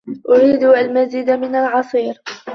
أريد المزيد من العصير.